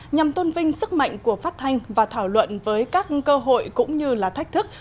nhằm tôn vinh sức mạnh của phát thanh và thảo luận với các cơ hội cũng như là thách thức